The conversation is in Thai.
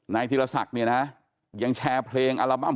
ธีรศักดิ์เนี่ยนะยังแชร์เพลงอัลบั้ม